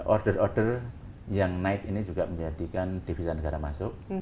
order order yang naik ini juga menjadikan devisa negara masuk